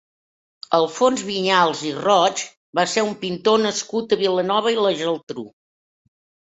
Alfons Vinyals i Roig va ser un pintor nascut a Vilanova i la Geltrú.